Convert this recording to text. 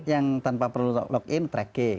yang tanpa perlu login tracking